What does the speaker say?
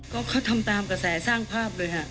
ก็เขาทำตามกระแสสร้างภาพเลยค่ะ